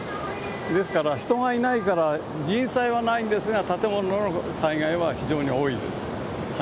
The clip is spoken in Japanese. ですから、人がいないから人災はないんですが、建物の災害は非常に多いです。